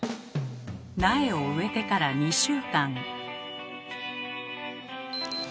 苗を植えてから２週間。